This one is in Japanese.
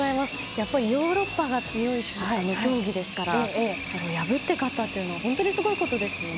やっぱりヨーロッパが強い競技ですからそれを破って勝ったというのは本当にすごいことですよね。